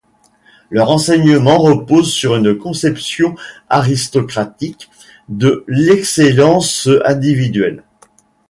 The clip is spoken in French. Leur enseignement repose sur une conception aristocratique de l’excellence individuelle.